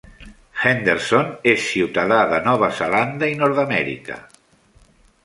Henderson és ciutadà de Nova Zelanda i Nord-Amèrica.